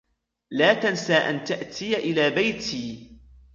لا تنسى أن تأتي إلى بيتي.